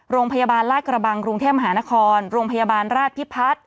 โรงพยาบาลราชกระบังกรุงเทพมหานครโรงพยาบาลราชพิพัฒน์